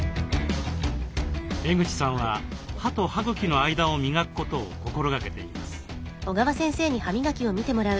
江口さんは歯と歯茎の間を磨くことを心がけています。